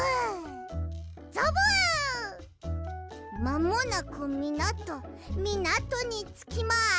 まもなくみなとみなとにつきます！